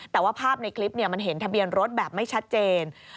แต่ว่าภาพในคลิปมันเห็นทะเบียนรถแบบไม่ชัดเจน